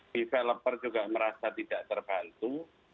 developer juga merasa tidak terbantu